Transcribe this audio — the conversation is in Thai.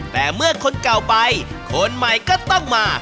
แต่เมื่อคนเก่าไปคนใหม่ก็ต้องมา